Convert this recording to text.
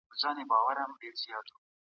ایا ځايي کروندګر پسته ساتي؟